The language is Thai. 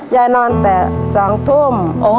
ยายนอนแต่๒ทุ่ม